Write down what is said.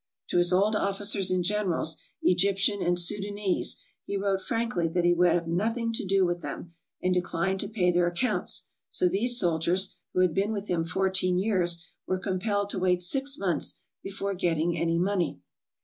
To his old officers and generals, Egyptian and Soudanese, he wrote frankly that he would have nothing to do with them, and declined to pay their accounts, so these soldiers, who had been with him fourteen years, were compelled to wait six months before getting any money.